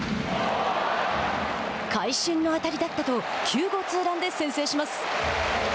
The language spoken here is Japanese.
「会心の当たりだった」と９号ツーランで先制します。